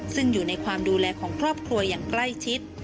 ซึ่งอยู่ในความดูแลของครอบครัวอย่างใกล้ชิด